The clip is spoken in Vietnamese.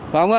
phải không ạ